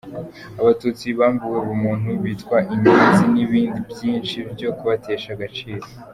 Abatutsi bambuwe ubumuntu, bitwa inyenzi n’ibindi byinshi byo kubatesha agaciro.